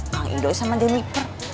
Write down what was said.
kang ido sama jeniper